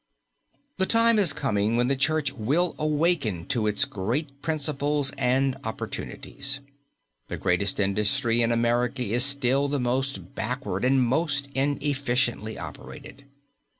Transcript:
The time is coming when the Church will awake to its great principles and opportunities. The greatest industry in America is still the most backward and most inefficiently operated.